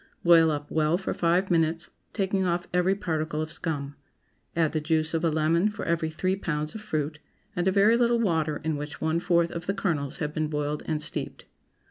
Boil up well for five minutes, taking off every particle of scum. Add the juice of a lemon for every three pounds of fruit, and a very little water in which one fourth of the kernels have been boiled and steeped.